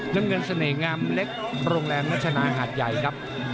น้ำเงินเสน่หงามเล็กโรงแรมนัชนาหาดใหญ่ครับ